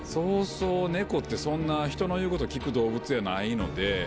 ネコってそんな人の言うこと聞く動物やないので。